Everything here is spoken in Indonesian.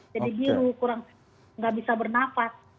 jadi biru kurang nggak bisa bernafas